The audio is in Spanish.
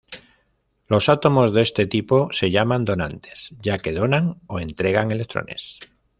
Los átomos de este tipo se llaman "donantes" ya que "donan" o entregan electrones.